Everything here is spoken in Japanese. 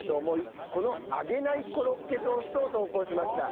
この揚げないコロッケトーストを投稿しました。